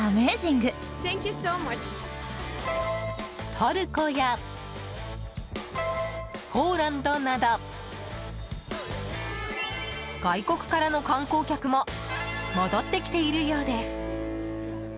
トルコや、ポーランドなど外国からの観光客も戻ってきているようです。